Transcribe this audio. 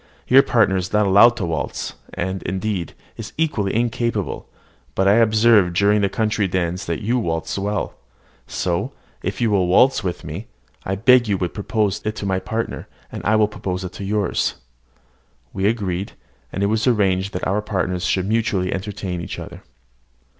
Your partner is not allowed to waltz, and, indeed, is equally incapable: but I observed during the country dance that you waltz well; so, if you will waltz with me, I beg you would propose it to my partner, and I will propose it to yours." We agreed, and it was arranged that our partners should mutually entertain each other.